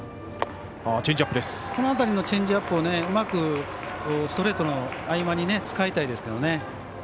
この辺りのチェンジアップをうまくストレートの合間に使いたいですけどね。